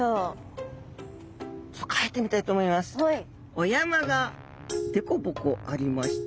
お山がでこぼこありまして。